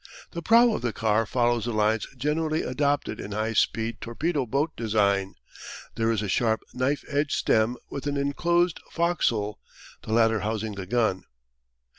The prow of the car follows the lines generally adopted in high speed torpedo boat design; there is a sharp knife edge stem with an enclosed fo'c's'le, the latter housing the gun.